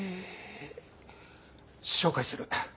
紹介する。